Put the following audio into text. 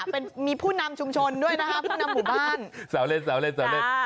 เนี๊ยค่ะมีผู้นำชุมชนด้วยนะครับผู้นำหมู่บ้าน